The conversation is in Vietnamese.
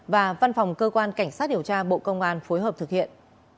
và văn phòng cơ quan cảnh sát điều tra bộ công an phối hợp thực hiện